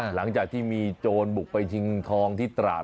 หลังจากที่มีโจรบุกไปชิงทองที่ตราด